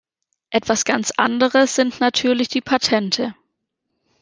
Etwas ganz anderes sind natürlich die Patente.